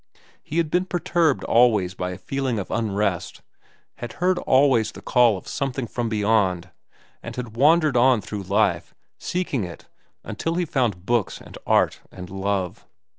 He had been perturbed always by a feeling of unrest, had heard always the call of something from beyond, and had wandered on through life seeking it until he found books and art and love.